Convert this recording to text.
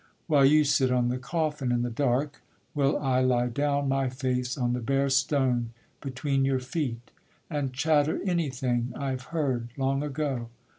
While you sit on the coffin in the dark, Will I lie down, my face on the bare stone Between your feet, and chatter anything I have heard long ago.